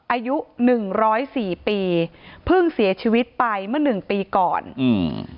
อายุหนึ่งร้อยสี่ปีเพิ่งเสียชีวิตไปเมื่อหนึ่งปีก่อนอืม